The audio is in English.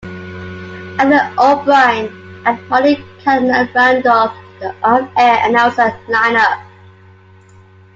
Evelyn O'Brien and Molly Callanan round off the on air announcer line up.